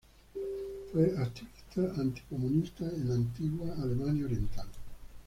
Fue activista anticomunista en la antigua Alemania Oriental.